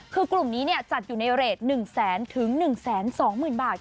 คือกลุ่มนี้จัดอยู่ในเรท๑แสนถึง๑๒๐๐๐บาท